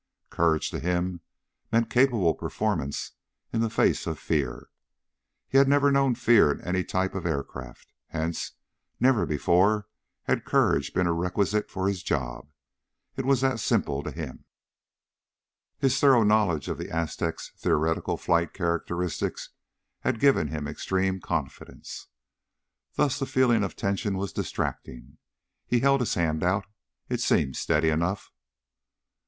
Courage, to him, meant capable performance in the face of fear. He had never known fear in any type of aircraft, hence never before had courage been a requisite of his job. It was that simple to him. His thorough knowledge of the Aztec's theoretical flight characteristics had given him extreme confidence, thus the feeling of tension was distracting. He held his hand out. It seemed steady enough.